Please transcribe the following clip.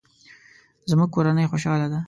زموږ کورنۍ خوشحاله ده